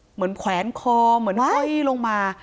เหมือนแขวนคอแขวนห้อยตัวลงมา